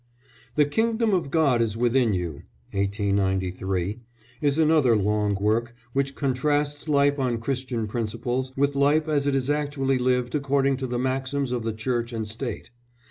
The Kingdom of God is Within You, 1893, is another long work which contrasts life on Christian principles with life as it is actually lived according to the maxims of the Church and State.